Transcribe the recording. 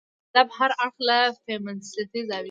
زموږ د ادب هر اړخ له فيمنستي زاويې